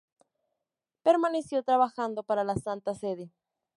Permaneció trabajando para la Santa Sede.